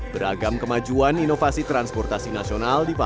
beragam kemajuan inovasi transportasi nasional diperlukan